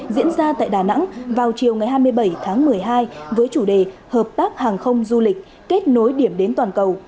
diễn ra tại đà nẵng vào chiều ngày hai mươi bảy tháng một mươi hai với chủ đề hợp tác hàng không du lịch kết nối điểm đến toàn cầu